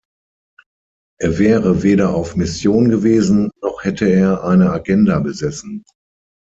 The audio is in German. Er wäre weder auf Mission gewesen, noch hätte er eine Agenda besessen.